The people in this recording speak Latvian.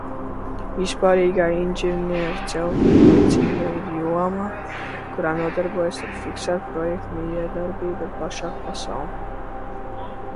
Vispārīgā inženierceltniecība ir jomā, kurā nodarbojas ar fiksētu projektu mijiedarbību ar plašāku pasauli.